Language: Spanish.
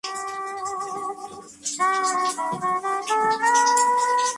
Mandela", donde interpretó al famoso presidente de Sudáfrica Nelson Mandela.